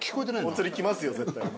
お釣り来ますよ絶対に。